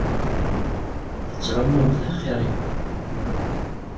Tettɛummumt axiṛ-iw.